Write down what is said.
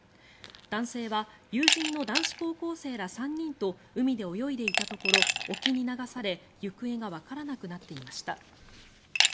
男性は友人の男子高校生ら３人と海で泳いでいたところ沖に流され、行方がわからなくなっていました。